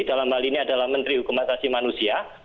dalam hal ini adalah menteri hukumatasi manusia